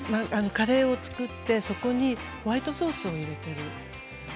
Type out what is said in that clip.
カレーを作って、そこにホワイトソースを入れている。